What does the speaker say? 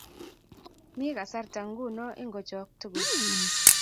Mi kasarta nguno; i-ngochok tugul!